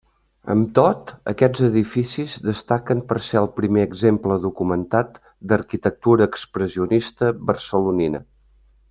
Amb tot, aquests edificis destaquen per ser el primer exemple documentat d'arquitectura expressionista barcelonina.